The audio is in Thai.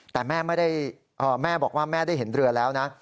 แต่แม่บอกว่าแม่ได้เห็นเรือแล้วนะ